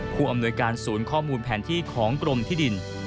ผู้อำนวยการศูนย์ข้อมูลแผนที่ของกรมที่ดิน